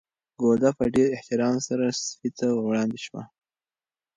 ګوله په ډېر احترام سره سپي ته وړاندې شوه.